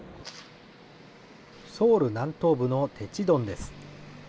ソウル南東部のテチドンです。